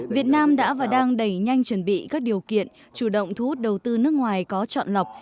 việt nam đã và đang đẩy nhanh chuẩn bị các điều kiện chủ động thu hút đầu tư nước ngoài có chọn lọc